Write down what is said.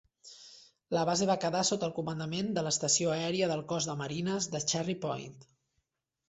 La base va quedar sota el comandament de l'Estació Aèria del Cos de Marines de Cherry Point.